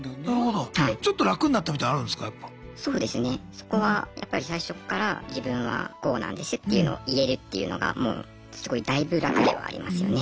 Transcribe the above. そこはやっぱり最初っから自分はこうなんですっていうのを言えるっていうのがもうすごい大分楽ではありますよね。